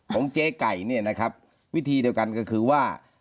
เจ๊ไก่เนี่ยนะครับวิธีเดียวกันก็คือว่า